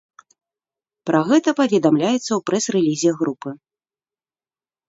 Пра гэта паведамляецца ў прэс-рэлізе групы.